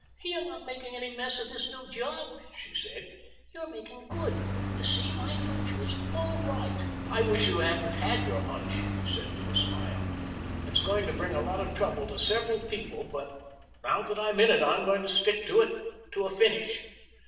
"You're not making any mess of this new job," she said. "You're making good. You see, my hunch was all right." "I wish you hadn't had your hunch," he said with a smile. "It's going to bring a lot of trouble to several people, but now that I'm in it I'm going to stick to it to a finish."